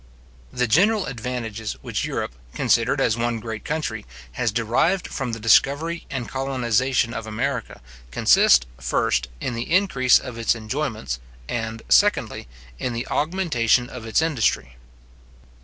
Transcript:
The general advantages which Europe, considered as one great country, has derived from the discovery and colonization of America, consist, first, in the increase of its enjoyments; and, secondly, in the augmentation of its industry.